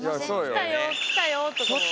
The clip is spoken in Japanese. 「来たよ来たよ」とかも。